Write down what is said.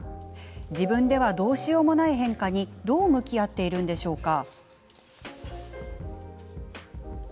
自分ではどうしようもない変化にどう向き合っているんでしょうか。